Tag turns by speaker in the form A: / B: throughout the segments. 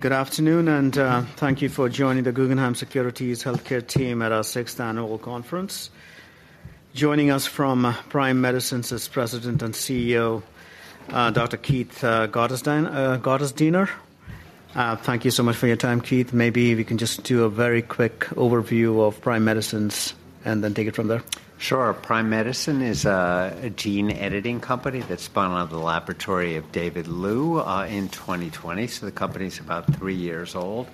A: Good afternoon, and thank you for joining the Guggenheim Securities Healthcare team at our sixth annual conference. Joining us from Prime Medicine is President and CEO Dr. Keith Gottesdiener. Thank you so much for your time, Keith. Maybe we can just do a very quick overview of Prime Medicine and then take it from there.
B: Sure. Prime Medicine is a gene editing company that spun out of the laboratory of David Liu in 2020, so the company's about 3 years old.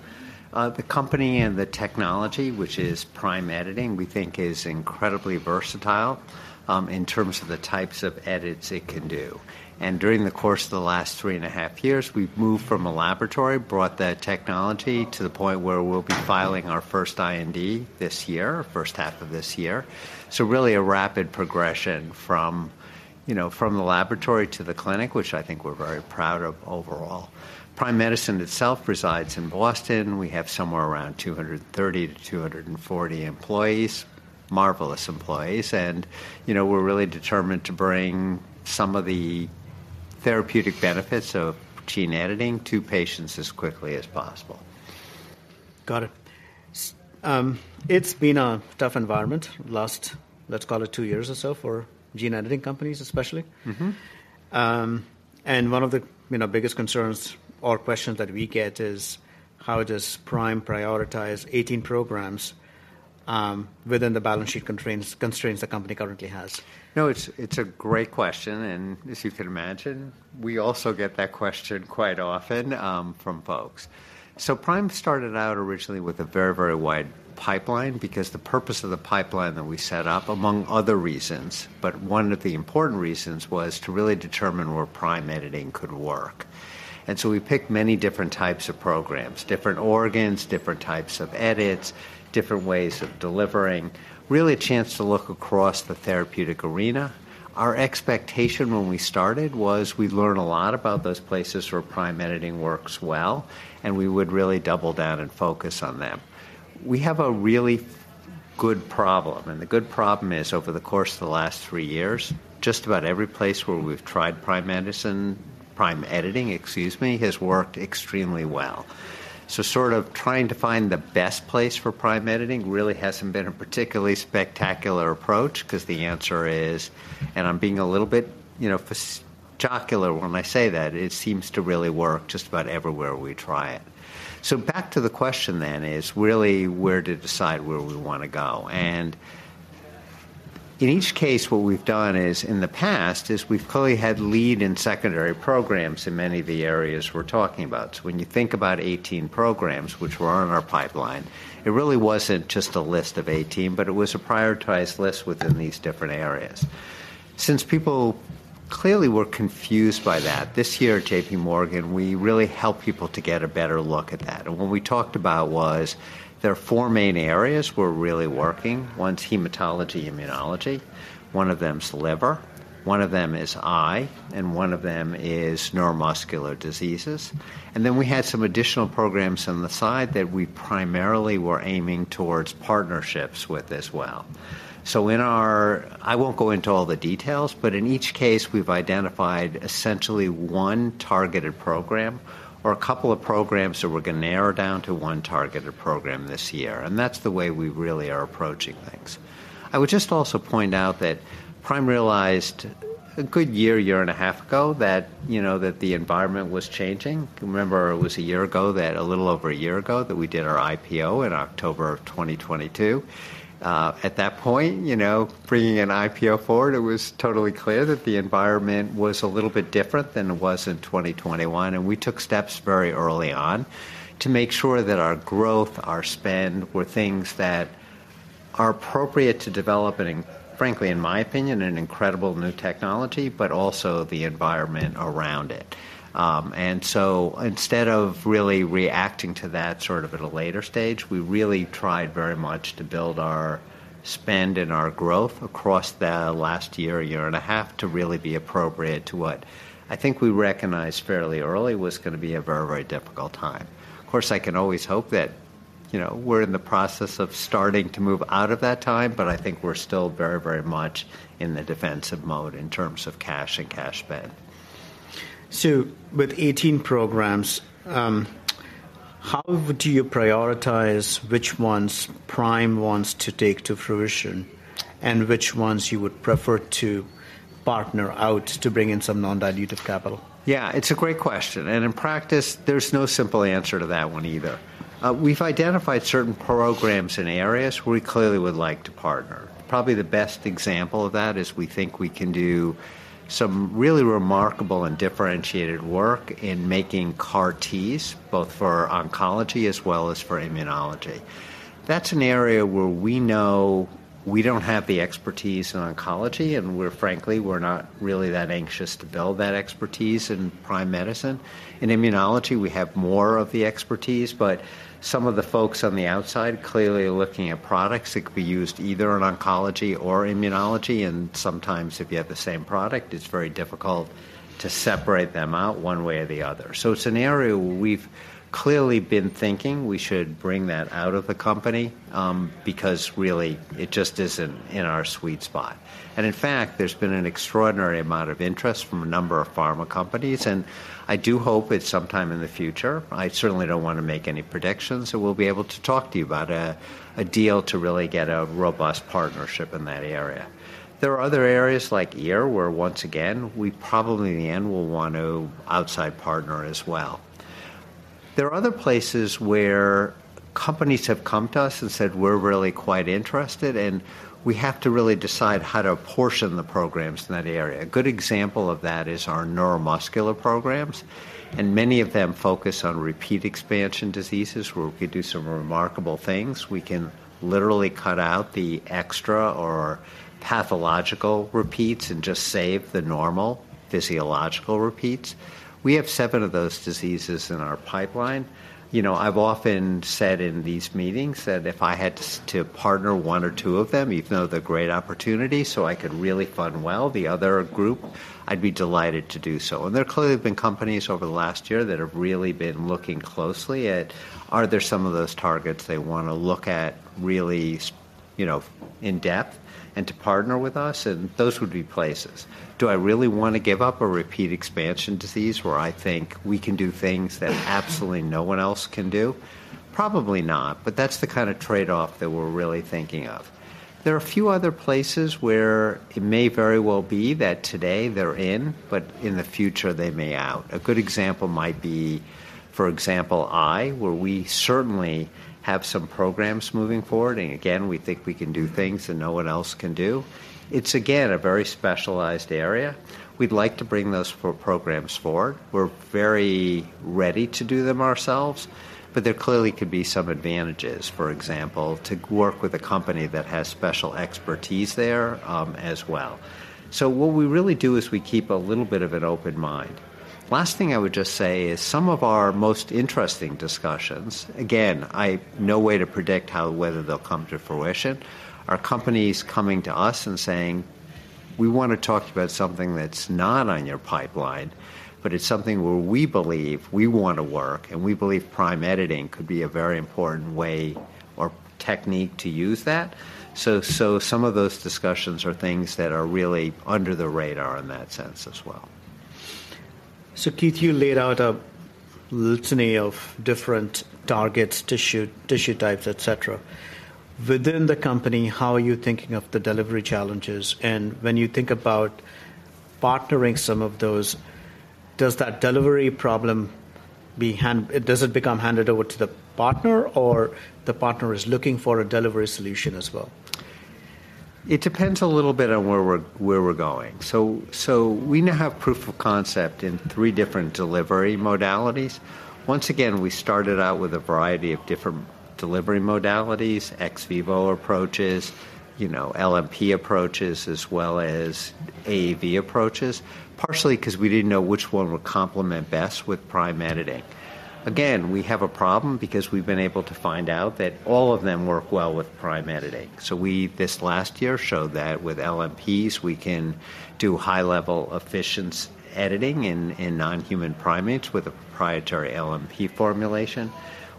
B: The company and the technology, which is Prime Editing, we think is incredibly versatile in terms of the types of edits it can do. And during the course of the last 3 and a half years, we've moved from a laboratory, brought the technology to the point where we'll be filing our first IND this year, first half of this year. So really a rapid progression from, you know, from the laboratory to the clinic, which I think we're very proud of overall. Prime Medicine itself resides in Boston. We have somewhere around 230-240 employees, marvelous employees, and, you know, we're really determined to bring some of the therapeutic benefits of gene editing to patients as quickly as possible.
A: Got it. It's been a tough environment last, let's call it, two years or so, for gene editing companies, especially.
B: Mm-hmm.
A: One of the, you know, biggest concerns or questions that we get is, how does Prime prioritize 18 programs within the balance sheet constraints the company currently has?
B: No, it's, it's a great question, and as you can imagine, we also get that question quite often, from folks. So Prime started out originally with a very, very wide pipeline because the purpose of the pipeline that we set up, among other reasons, but one of the important reasons, was to really determine where Prime Editing could work. And so we picked many different types of programs, different organs, different types of edits, different ways of delivering, really a chance to look across the therapeutic arena. Our expectation when we started was we'd learn a lot about those places where Prime Editing works well, and we would really double down and focus on them. We have a really good problem, and the good problem is, over the course of the last three years, just about every place where we've tried Prime Medicine—Prime Editing, excuse me, has worked extremely well. So sort of trying to find the best place for Prime Editing really hasn't been a particularly spectacular approach 'cause the answer is, and I'm being a little bit, you know, facetious when I say that, it seems to really work just about everywhere we try it. So back to the question then, is really where to decide where we want to go. And in each case, what we've done is, in the past, is we've clearly had lead and secondary programs in many of the areas we're talking about. So when you think about 18 programs, which were on our pipeline, it really wasn't just a list of 18, but it was a prioritized list within these different areas. Since people clearly were confused by that, this year at J.P. Morgan, we really helped people to get a better look at that. And what we talked about was, there are four main areas we're really working. One's hematology, immunology, one of them's liver, one of them is eye, and one of them is neuromuscular diseases. And then we had some additional programs on the side that we primarily were aiming towards partnerships with as well. So in our... I won't go into all the details, but in each case, we've identified essentially one targeted program or a couple of programs that we're going to narrow down to one targeted program this year, and that's the way we really are approaching things. I would just also point out that Prime realized a good year, year and a half ago, that, you know, that the environment was changing. Remember, it was a year ago that a little over a year ago, that we did our IPO in October of 2022. At that point, you know, bringing an IPO forward, it was totally clear that the environment was a little bit different than it was in 2021, and we took steps very early on to make sure that our growth, our spend, were things that are appropriate to developing, frankly, in my opinion, an incredible new technology, but also the environment around it. And so instead of really reacting to that sort of at a later stage, we really tried very much to build our spend and our growth across the last year, year and a half, to really be appropriate to what I think we recognized fairly early was going to be a very, very difficult time. Of course, I can always hope that, you know, we're in the process of starting to move out of that time, but I think we're still very, very much in the defensive mode in terms of cash and cash spend.
A: So with 18 programs, how do you prioritize which ones Prime wants to take to fruition and which ones you would prefer to partner out to bring in some non-dilutive capital?
B: Yeah, it's a great question, and in practice, there's no simple answer to that one either. We've identified certain programs and areas where we clearly would like to partner. Probably the best example of that is we think we can do some really remarkable and differentiated work in making CAR-Ts, both for oncology as well as for immunology. That's an area where we know we don't have the expertise in oncology, and we're frankly, we're not really that anxious to build that expertise in Prime Medicine. In immunology, we have more of the expertise, but some of the folks on the outside clearly are looking at products that could be used either in oncology or immunology, and sometimes if you have the same product, it's very difficult to separate them out one way or the other. So it's an area where we've clearly been thinking we should bring that out of the company, because really it just isn't in our sweet spot. And in fact, there's been an extraordinary amount of interest from a number of pharma companies, and I do hope that sometime in the future, I certainly don't want to make any predictions, so we'll be able to talk to you about a deal to really get a robust partnership in that area. There are other areas like ear, where once again, we probably in the end will want to outside partner as well. There are other places where companies have come to us and said, "We're really quite interested," and we have to really decide how to portion the programs in that area. A good example of that is our neuromuscular programs, and many of them focus on repeat expansion diseases, where we could do some remarkable things. We can literally cut out the extra or pathological repeats and just save the normal physiological repeats. We have seven of those diseases in our pipeline. You know, I've often said in these meetings that if I had to partner one or two of them, even though they're great opportunities, so I could really fund well the other group, I'd be delighted to do so. And there clearly have been companies over the last year that have really been looking closely at, are there some of those targets they wanna look at really, you know, in depth and to partner with us? And those would be places. Do I really wanna give up a repeat expansion disease where I think we can do things that absolutely no one else can do? Probably not, but that's the kind of trade-off that we're really thinking of. There are a few other places where it may very well be that today they're in, but in the future, they may out. A good example might be, for example, eye, where we certainly have some programs moving forward, and again, we think we can do things that no one else can do. It's, again, a very specialized area. We'd like to bring those programs forward. We're very ready to do them ourselves, but there clearly could be some advantages, for example, to work with a company that has special expertise there, as well. So what we really do is we keep a little bit of an open mind. Last thing I would just say is some of our most interesting discussions, again, no way to predict whether they'll come to fruition, are companies coming to us and saying: We wanna talk about something that's not on your pipeline, but it's something where we believe we wanna work, and we believe Prime Editing could be a very important way or technique to use that. So, some of those discussions are things that are really under the radar in that sense as well.
A: So Keith, you laid out a litany of different targets, tissue, tissue types, et cetera. Within the company, how are you thinking of the delivery challenges? And when you think about partnering some of those, does it become handed over to the partner, or the partner is looking for a delivery solution as well?
B: It depends a little bit on where we're going. So we now have proof of concept in three different delivery modalities. Once again, we started out with a variety of different delivery modalities, ex vivo approaches, you know, LNP approaches, as well as AAV approaches, partially 'cause we didn't know which one would complement best with Prime Editing. Again, we have a problem because we've been able to find out that all of them work well with Prime Editing. So this last year, we showed that with LNPs, we can do high-level efficient editing in non-human primates with a proprietary LNP formulation.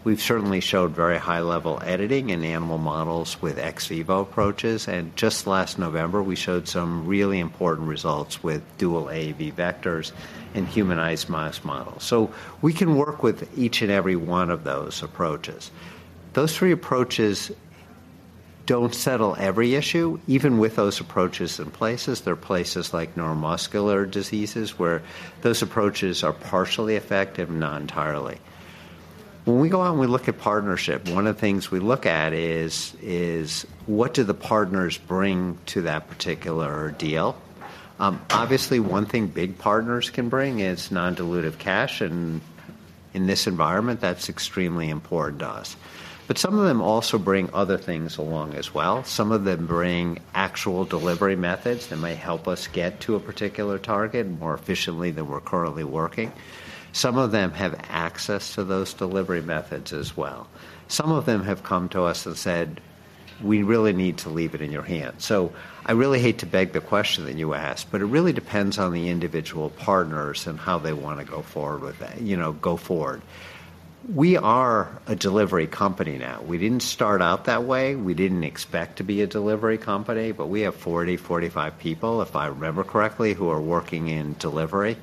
B: We've certainly showed very high-level editing in animal models with ex vivo approaches, and just last November, we showed some really important results with dual AAV vectors in humanized mouse models. So we can work with each and every one of those approaches. Those three approaches don't settle every issue. Even with those approaches in places, there are places like neuromuscular diseases, where those approaches are partially effective, not entirely. When we go out and we look at partnership, one of the things we look at is what do the partners bring to that particular deal? Obviously, one thing big partners can bring is non-dilutive cash, and in this environment, that's extremely important to us. But some of them also bring other things along as well. Some of them bring actual delivery methods that may help us get to a particular target more efficiently than we're currently working. Some of them have access to those delivery methods as well. Some of them have come to us and said, "We really need to leave it in your hands." So I really hate to beg the question that you asked, but it really depends on the individual partners and how they wanna go forward with that, you know, go forward. We are a delivery company now. We didn't start out that way. We didn't expect to be a delivery company, but we have 40-45 people, if I remember correctly, who are working in delivery.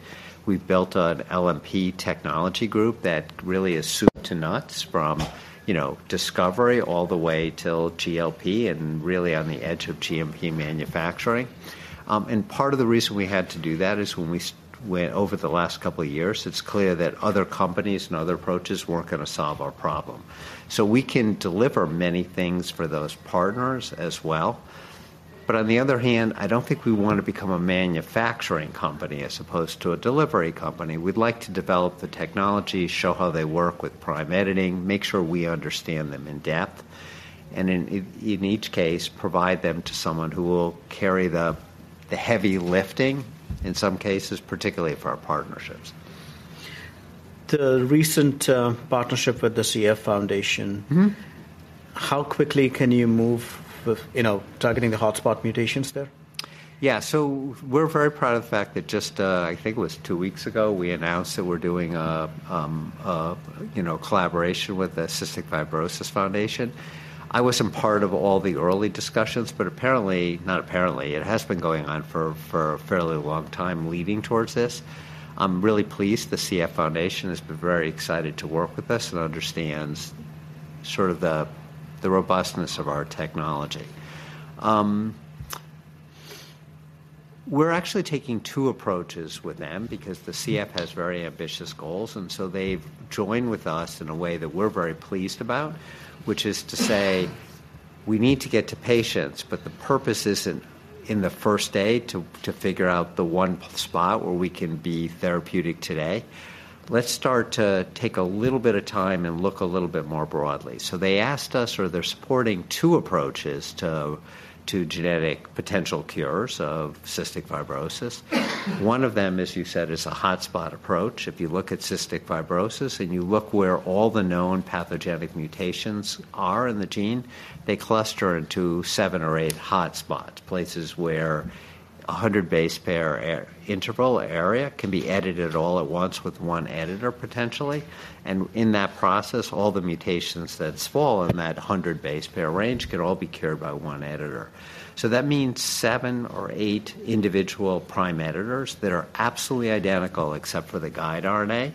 B: We've built an LNP technology group that really is soup to nuts from, you know, discovery all the way till GLP and really on the edge of GMP manufacturing. And part of the reason we had to do that is when... Over the last couple of years, it's clear that other companies and other approaches weren't gonna solve our problem. So we can deliver many things for those partners as well. But on the other hand, I don't think we want to become a manufacturing company as opposed to a delivery company. We'd like to develop the technology, show how they work with Prime Editing, make sure we understand them in depth, and in each case, provide them to someone who will carry the heavy lifting, in some cases, particularly for our partnerships.
A: The recent partnership with the CF Foundation-
B: Mm-hmm.
A: How quickly can you move with, you know, targeting the hotspot mutations there?
B: Yeah. So we're very proud of the fact that just, I think it was two weeks ago, we announced that we're doing a, you know, collaboration with the cystic fibrosis Foundation. I wasn't part of all the early discussions, but apparently, not apparently, it has been going on for, for a fairly long time leading towards this. I'm really pleased the CF Foundation has been very excited to work with us and understands sort of the robustness of our technology. We're actually taking two approaches with them because the CF has very ambitious goals, and so they've joined with us in a way that we're very pleased about, which is to say, we need to get to patients, but the purpose isn't in the first day to figure out the one spot where we can be therapeutic today. Let's start to take a little bit of time and look a little bit more broadly. So they asked us, or they're supporting two approaches to, to genetic potential cures of cystic fibrosis. One of them, as you said, is a hotspot approach. If you look at cystic fibrosis, and you look where all the known pathogenic mutations are in the gene, they cluster into seven or eight hotspots, places where a 100 base pair or interval area can be edited all at once with one editor, potentially. And in that process, all the mutations that fall in that 100 base pair range can all be cured by one editor. So that means 7 or 8 individual Prime Editors that are absolutely identical except for the guide RNA,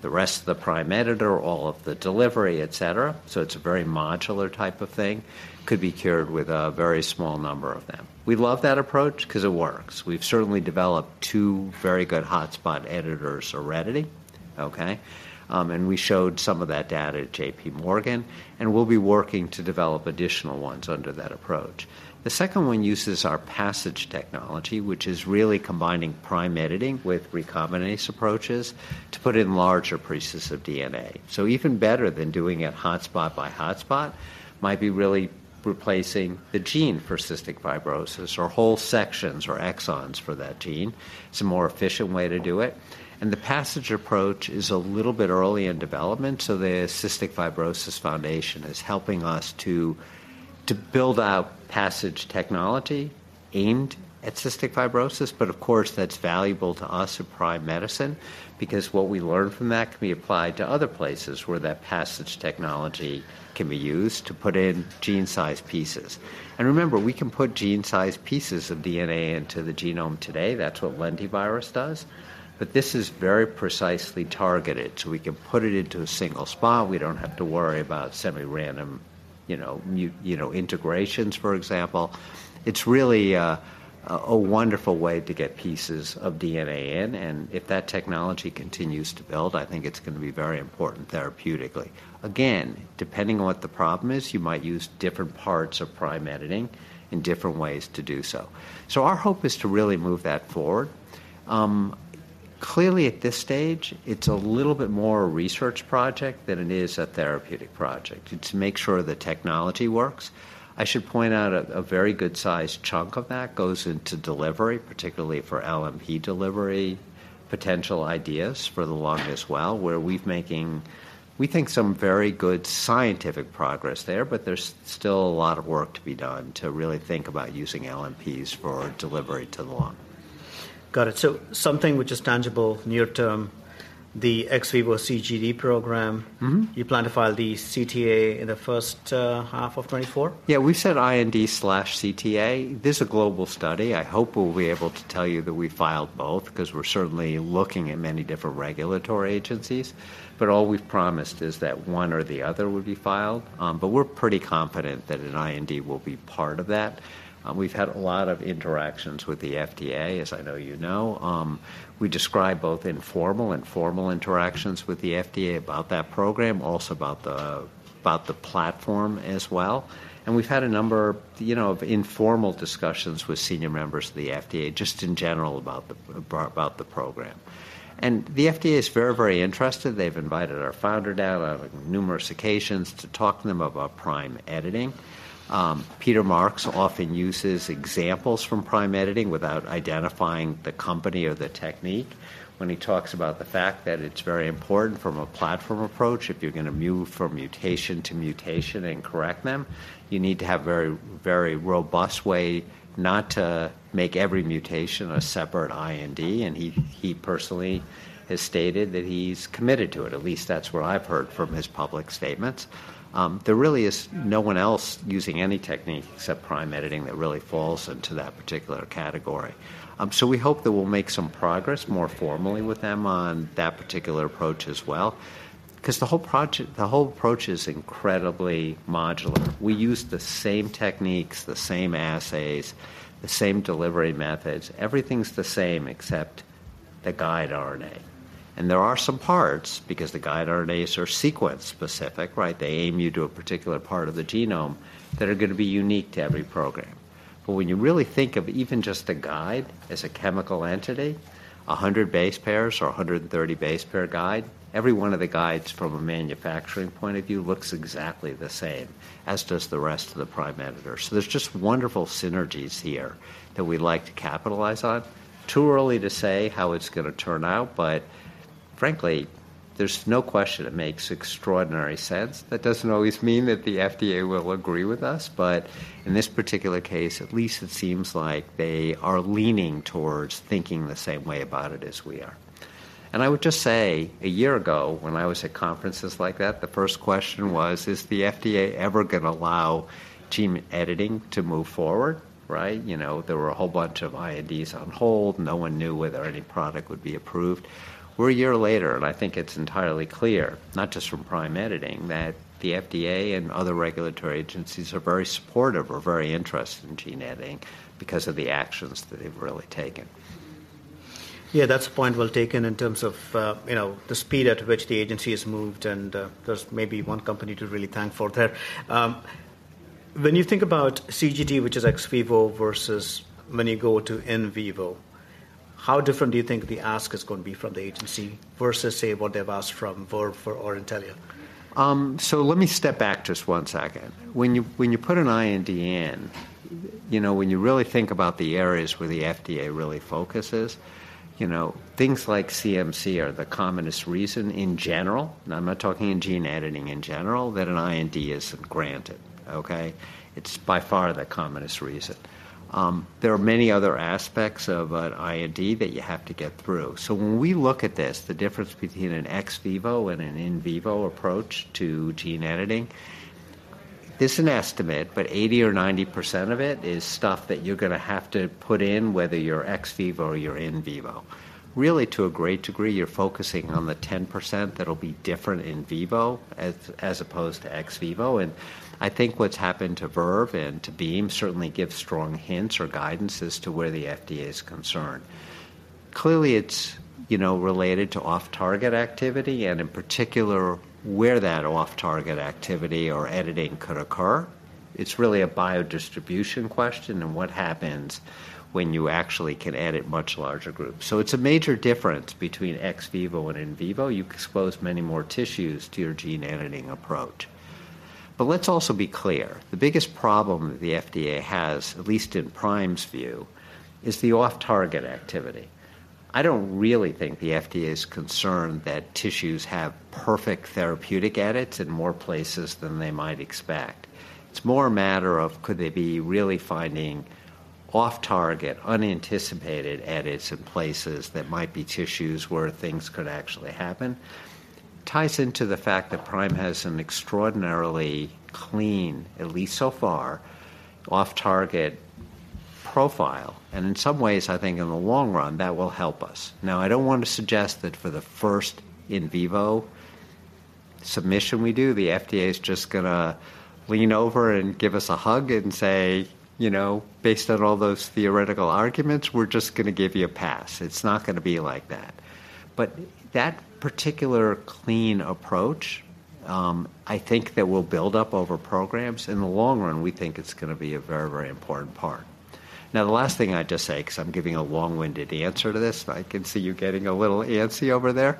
B: the rest of the Prime Editor, all of the delivery, et cetera, so it's a very modular type of thing, could be cured with a very small number of them. We love that approach 'cause it works. We've certainly developed 2 very good hotspot editors, seriously, okay? And we showed some of that data at J.P. Morgan, and we'll be working to develop additional ones under that approach. The second one uses our PASSIGE technology, which is really combining Prime Editing with recombinase approaches to put in larger pieces of DNA. So even better than doing it hotspot by hotspot, might be really replacing the gene for cystic fibrosis or whole sections or exons for that gene. It's a more efficient way to do it. And the PASSIGE approach is a little bit early in development, so the cystic fibrosis Foundation is helping us to build out PASSIGE technology aimed at cystic fibrosis. But of course, that's valuable to us at Prime Medicine because what we learn from that can be applied to other places where that PASSIGE technology can be used to put in gene-sized pieces. And remember, we can put gene-sized pieces of DNA into the genome today. That's what lentivirus does, but this is very precisely targeted, so we can put it into a single spot. We don't have to worry about semi-random, you know, integrations, for example. It's really a wonderful way to get pieces of DNA in, and if that technology continues to build, I think it's going to be very important therapeutically. Again, depending on what the problem is, you might use different parts of Prime Editing in different ways to do so. So our hope is to really move that forward. Clearly, at this stage, it's a little bit more a research project than it is a therapeutic project. It's to make sure the technology works. I should point out a very good size chunk of that goes into delivery, particularly for LNP delivery, potential ideas for the lung as well, where we're making, we think, some very good scientific progress there, but there's still a lot of work to be done to really think about using LNPs for delivery to the lung.
A: Got it. So something which is tangible near term, the ex vivo CGD program.
B: Mm-hmm.
A: - You plan to file the CTA in the first half of 2024?
B: Yeah, we said IND/CTA. This is a global study. I hope we'll be able to tell you that we filed both because we're certainly looking at many different regulatory agencies, but all we've promised is that one or the other would be filed. But we're pretty confident that an IND will be part of that. We've had a lot of interactions with the FDA, as I know you know. We describe both informal and formal interactions with the FDA about that program, also about the platform as well. And we've had a number, you know, of informal discussions with senior members of the FDA, just in general about the program. And the FDA is very, very interested. They've invited our founder down on numerous occasions to talk to them about Prime Editing. Peter Marks often uses examples from Prime Editing without identifying the company or the technique when he talks about the fact that it's very important from a platform approach. If you're going to move from mutation to mutation and correct them, you need to have very, very robust way not to make every mutation a separate IND, and he, he personally has stated that he's committed to it. At least that's what I've heard from his public statements. There really is no one else using any technique, except Prime Editing, that really falls into that particular category. So we hope that we'll make some progress more formally with them on that particular approach as well, 'cause the whole project, the whole approach is incredibly modular. We use the same techniques, the same assays, the same delivery methods. Everything's the same except the guide RNA. And there are some parts, because the guide RNAs are sequence-specific, right? They aim you to a particular part of the genome that are going to be unique to every program. But when you really think of even just a guide as a chemical entity, 100 base pairs or 130 base pair guide, every one of the guides from a manufacturing point of view, looks exactly the same, as does the rest of the Prime Editor. So there's just wonderful synergies here that we'd like to capitalize on. Too early to say how it's going to turn out, but frankly, there's no question it makes extraordinary sense. That doesn't always mean that the FDA will agree with us, but in this particular case, at least it seems like they are leaning towards thinking the same way about it as we are. I would just say, a year ago, when I was at conferences like that, the first question was: Is the FDA ever going to allow gene editing to move forward, right? You know, there were a whole bunch of INDs on hold. No one knew whether any product would be approved. We're a year later, and I think it's entirely clear, not just from Prime Editing, that the FDA and other regulatory agencies are very supportive or very interested in gene editing because of the actions that they've really taken....
A: Yeah, that's a point well taken in terms of, you know, the speed at which the agency has moved, and, there's maybe one company to really thank for that. When you think about CGD, which is ex vivo, versus when you go to in vivo, how different do you think the ask is going to be from the agency versus, say, what they've asked from Verve or Intellia?
B: So let me step back just one second. When you, when you put an IND in, you know, when you really think about the areas where the FDA really focuses, you know, things like CMC are the commonest reason in general, and I'm not talking in gene editing, in general, that an IND isn't granted, okay? It's by far the commonest reason. There are many other aspects of an IND that you have to get through. So when we look at this, the difference between an ex vivo and an in vivo approach to gene editing, this is an estimate, but 80% or 90% of it is stuff that you're going to have to put in, whether you're ex vivo or you're in vivo. Really, to a great degree, you're focusing on the 10% that'll be different in vivo as opposed to ex vivo, and I think what's happened to Verve and to Beam certainly gives strong hints or guidance as to where the FDA is concerned. Clearly, it's, you know, related to off-target activity, and in particular, where that off-target activity or editing could occur. It's really a biodistribution question and what happens when you actually can edit much larger groups. So it's a major difference between ex vivo and in vivo. You expose many more tissues to your gene-editing approach. But let's also be clear, the biggest problem that the FDA has, at least in Prime's view, is the off-target activity. I don't really think the FDA is concerned that tissues have perfect therapeutic edits in more places than they might expect. It's more a matter of could they be really finding off-target, unanticipated edits in places that might be tissues where things could actually happen? Ties into the fact that Prime has an extraordinarily clean, at least so far, off-target profile, and in some ways, I think in the long run, that will help us. Now, I don't want to suggest that for the first in vivo submission we do, the FDA is just going to lean over and give us a hug and say, "You know, based on all those theoretical arguments, we're just going to give you a pass." It's not going to be like that. But that particular clean approach, I think that will build up over programs. In the long run, we think it's going to be a very, very important part. Now, the last thing I'd just say, because I'm giving a long-winded answer to this, I can see you getting a little antsy over there,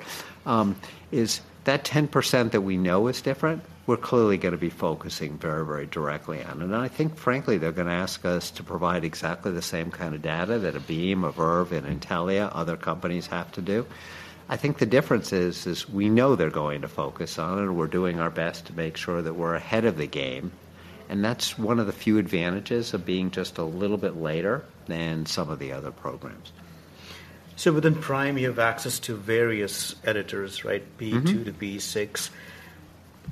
B: is that 10% that we know is different, we're clearly going to be focusing very, very directly on. And I think frankly, they're going to ask us to provide exactly the same kind of data that a Beam, a Verve, and Intellia, other companies have to do. I think the difference is, is we know they're going to focus on, and we're doing our best to make sure that we're ahead of the game, and that's one of the few advantages of being just a little bit later than some of the other programs.
A: Within Prime, you have access to various editors, right?
B: Mm-hmm.
A: PE2-PE6.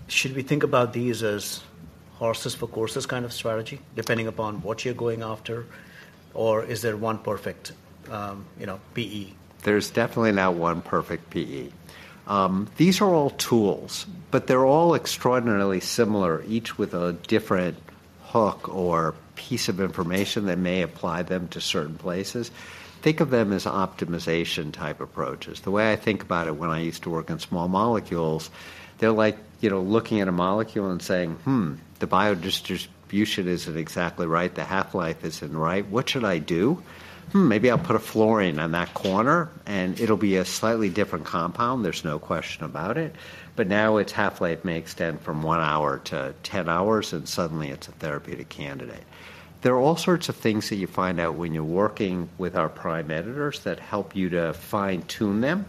A: Should we think about these as horses for courses kind of strategy, depending upon what you're going after, or is there one perfect, you know, PE?
B: There's definitely not one perfect PE. These are all tools, but they're all extraordinarily similar, each with a different hook or piece of information that may apply them to certain places. Think of them as optimization-type approaches. The way I think about it when I used to work in small molecules, they're like, you know, looking at a molecule and saying, "Hmm, the biodistribution isn't exactly right, the half-life isn't right. What should I do? Hmm, maybe I'll put a fluorine on that corner, and it'll be a slightly different compound, there's no question about it." But now, its half-life may extend from one hour to 10 hours, and suddenly it's a therapeutic candidate. There are all sorts of things that you find out when you're working with our Prime Editors that help you to fine-tune them.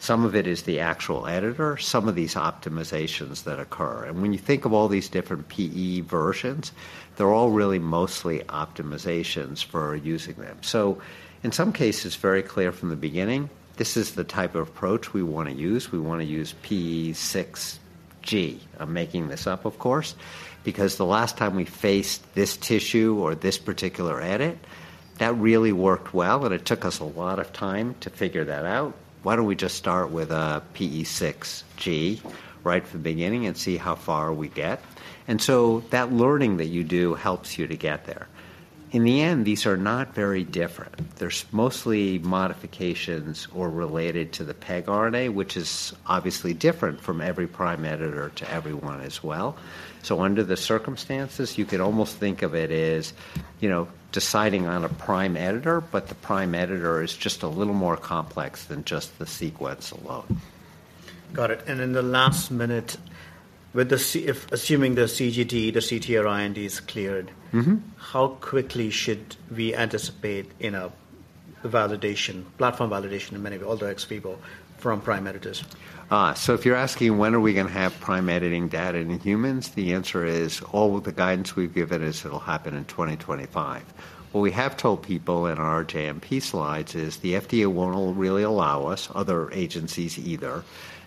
B: Some of it is the actual editor, some of these optimizations that occur. And when you think of all these different PE versions, they're all really mostly optimizations for using them. So in some cases, very clear from the beginning, this is the type of approach we want to use. We want to use PE6g. I'm making this up, of course, because the last time we faced this tissue or this particular edit, that really worked well, and it took us a lot of time to figure that out. Why don't we just start with, PE6g right from the beginning and see how far we get? And so that learning that you do helps you to get there. In the end, these are not very different. There's mostly modifications or related to the pegRNA, which is obviously different from every Prime Editor to everyone as well. So under the circumstances, you could almost think of it as, you know, deciding on a Prime Editor, but the Prime Editor is just a little more complex than just the sequence alone.
A: Got it. And in the last minute, with the C, if assuming the CGD, the CTA IND is cleared-
B: Mm-hmm.
A: How quickly should we anticipate IND validation, platform validation, and INDs for all the ex vivo from Prime Editors?
B: Ah, so if you're asking when are we going to have Prime Editing data in humans, the answer is all of the guidance we've given is it'll happen in 2025. What we have told people in our JPM slides is the FDA won't really allow us, other agencies either,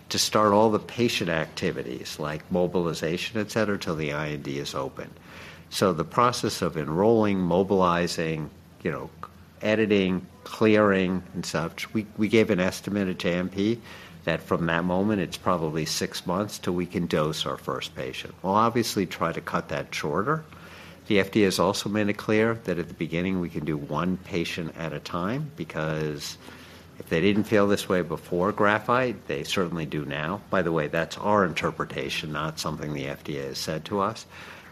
B: to start all the patient activities, like mobilization, et cetera, till the IND is open. So the process of enrolling, mobilizing, you know, editing, clearing, and such, we gave an estimate at JPM that from that moment, it's probably six months till we can dose our first patient. We'll obviously try to cut that shorter. The FDA has also made it clear that at the beginning, we can do one patient at a time, because if they didn't feel this way before Graphite, they certainly do now. By the way, that's our interpretation, not something the FDA has said to us,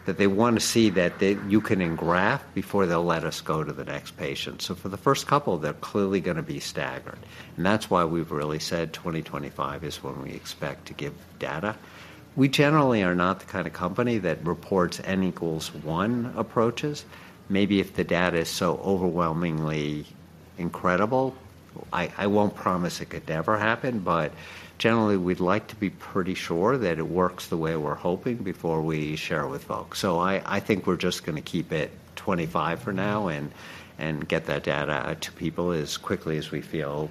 B: that they want to see that you can engraft before they'll let us go to the next patient. So for the first couple, they're clearly going to be staggered, and that's why we've really said 2025 is when we expect to give data. We generally are not the kind of company that reports n=1 approaches. Maybe if the data is so overwhelmingly incredible, I won't promise it could never happen, but generally, we'd like to be pretty sure that it works the way we're hoping before we share it with folks. So I think we're just going to keep it 25 for now and get that data out to people as quickly as we feel,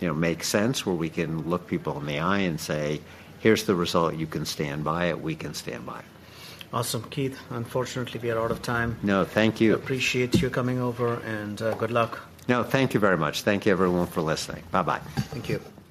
B: you know, makes sense, where we can look people in the eye and say, "Here's the result. You can stand by it. We can stand by it.
A: Awesome. Keith, unfortunately, we are out of time.
B: No, thank you.
A: Appreciate you coming over, and good luck.
B: No, thank you very much. Thank you, everyone, for listening. Bye-bye.
A: Thank you.